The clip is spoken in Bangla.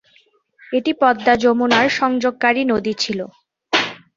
এটি পদ্মা-যমুনার সংযোগকারী নদী ছিল।